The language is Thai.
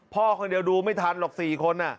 พ่อคนเดียวดูไม่ทันหรอก๔คน